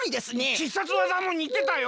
必殺技もにてたよ。